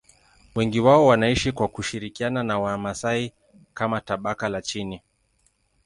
Wengi wao wanaishi kwa kushirikiana na Wamasai kama tabaka la chini.